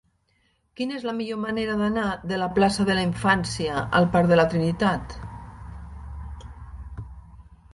Quina és la millor manera d'anar de la plaça de la Infància al parc de la Trinitat?